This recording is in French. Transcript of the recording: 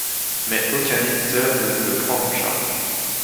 Mais aucun éditeur ne veut le prendre en charge.